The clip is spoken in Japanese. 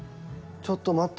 ちょっと待って。